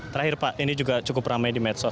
terakhir pak ini juga cukup ramai di medsos